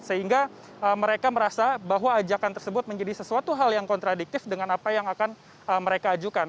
jadi mereka merasa bahwa ajakan tersebut menjadi sesuatu hal yang kontradiktif dengan apa yang akan mereka ajukan